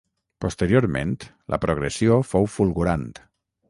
Posteriorment, la progressió fou fulgurant.